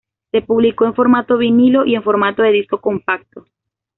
Se publicó en formato vinilo y en formato de disco compacto.